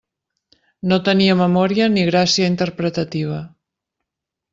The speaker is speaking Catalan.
No tenia memòria ni gràcia interpretativa.